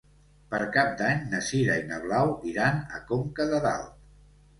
Per Cap d'Any na Sira i na Blau iran a Conca de Dalt.